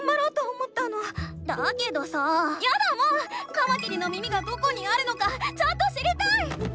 カマキリの耳がどこにあるのかちゃんと知りたい！